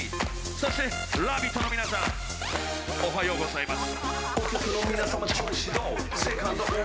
そして「ラヴィット！」の皆さんおはようございます。